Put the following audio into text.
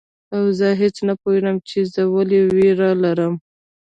او زه هیڅ نه پوهیږم چي زه ولي ویره لرم